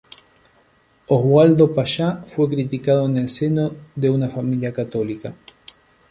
Oswaldo Payá fue criado en el seno de una familia católica.